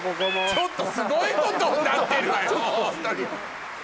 ちょっとすごいことになってるわよ！